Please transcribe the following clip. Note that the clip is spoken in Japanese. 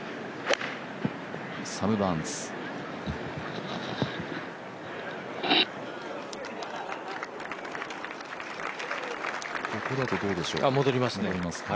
サム・バーンズ、ここだとどうでしょう、戻りますか。